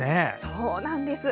そうなんです。